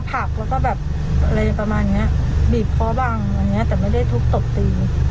ผักแล้วก็แบบอะไรประมาณนี้บีบคอบังแต่ไม่ได้ทุกข์ตกตี